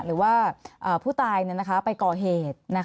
หรือว่าผู้ตายไปก่อเหตุ